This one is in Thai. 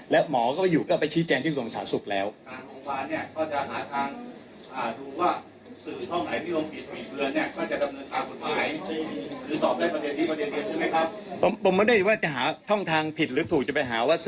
แล้วหมอก็อยู่ก็ไปชี้แจงไปที่โรงศาสตร์ศุกร์แล้ว